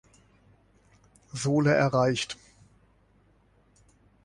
Sohle erreicht.